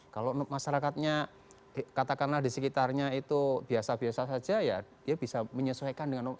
kalau masyarakatnya katakanlah di sekitarnya itu biasa biasa saja ya dia bisa menyesuaikan dengan